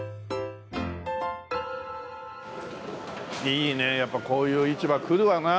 いいねやっぱこういう市場来るわな。